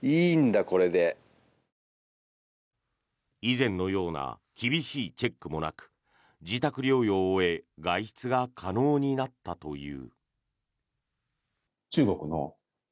以前のような厳しいチェックもなく自宅療養を終え外出が可能になったという。